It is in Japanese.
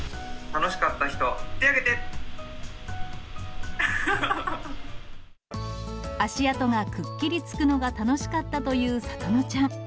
楽しかった人、足跡がくっきりつくのが楽しかったという、さとのちゃん。